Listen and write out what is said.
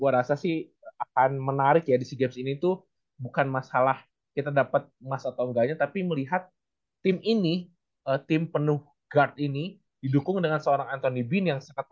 di kubu timnas sekarang ya